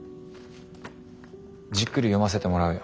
じっくり読ませてもらうよ。